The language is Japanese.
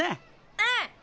うん！